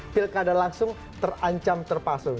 pilkada langsung terancam terpasung